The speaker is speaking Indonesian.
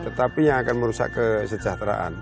tetapi yang akan merusak kesejahteraan